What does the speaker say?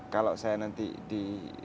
kalau saya nanti di